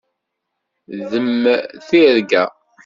D mm tirga.